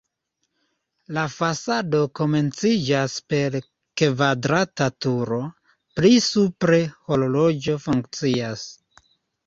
La fasado komenciĝas per kvadrata turo, pli supre horloĝo funkcias.